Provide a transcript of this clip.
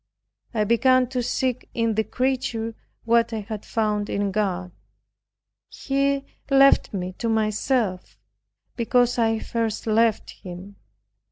I began to seek in the creature what I had found in God. He left me to myself, because I first left him.